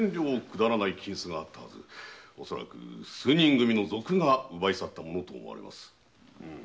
恐らく数人組の賊が奪い去ったものと思われます。